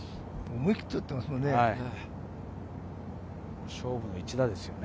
思い切って打っていますものね。